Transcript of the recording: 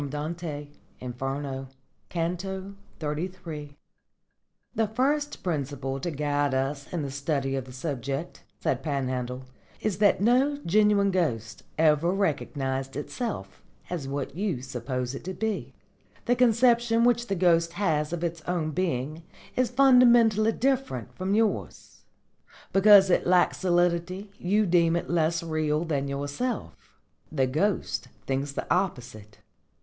'" DANTE, Inferno, Canto xxxiii. I PANHANDLE LAYS DOWN A PRINCIPLE "The first principle to guide us in the study of the subject," said Panhandle, "is that no genuine ghost ever recognised itself as what you suppose it to be. The conception which the ghost has of its own being is fundamentally different from yours. Because it lacks solidity you deem it less real than yourself. The ghost thinks the opposite.